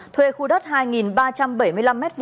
thuê khu đất hai ba trăm bảy mươi năm m hai